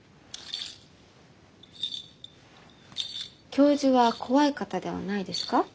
教授は怖い方ではないですか？